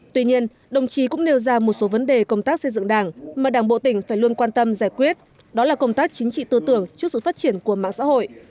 tuy nhiên đồng chí cũng nêu ra một số vấn đề công tác xây dựng đảng mà đảng bộ tỉnh phải luôn quan tâm giải quyết đó là công tác chính trị tư tưởng trước sự phát triển của mạng xã hội